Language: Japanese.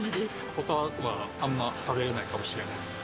ほかはあんまり食べられないかもしれないですね。